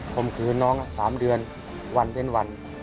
มขืนน้อง๓เดือนวันเว้นวัน